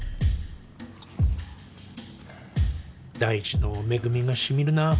大地の恵みが染みるなぁ。